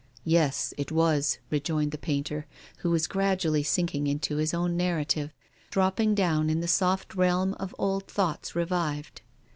"Yes, it was," rejoined the painter, who was gradually sinking into his own narrative, dropping down in the soft realm of old thoughts revived.